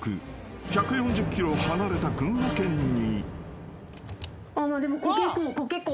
１４０ｋｍ離れた群馬県に］